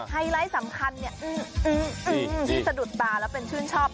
ไฮไลท์สำคัญเนี่ยอื้ออื้ออื้อที่สะดุดตาแล้วเป็นชื่นชอบ